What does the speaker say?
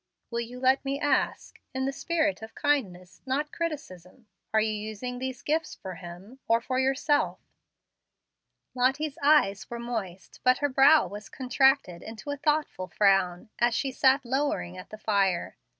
Will you let me ask, in the spirit of kindness, not criticism, Are you using these gifts for Him, or for yourself?" Lottie's eyes were moist, but her brow was contracted into a thoughtful frown, as she sat lowering at the fire.